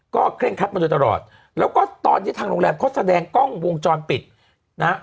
เคร่งคัดมาโดยตลอดแล้วก็ตอนนี้ทางโรงแรมเขาแสดงกล้องวงจรปิดนะฮะ